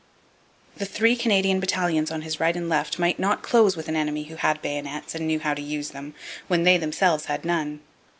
The three Canadian battalions on his right and left might not close with an enemy who had bayonets and knew how to use them, when they themselves had none.